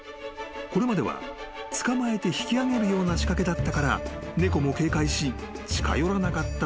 これまでは捕まえて引き上げるような仕掛けだったから猫も警戒し近寄らなかったのかもしれない］